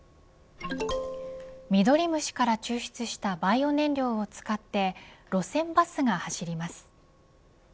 ミドリムシから抽出したバイオ燃料を使って路線バスが走ります。